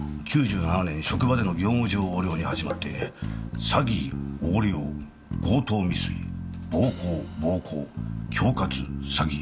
９７年職場での業務上横領に始まって詐欺横領強盗未遂暴行暴行恐喝詐欺。